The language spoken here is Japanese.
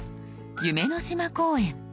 「夢の島公園」。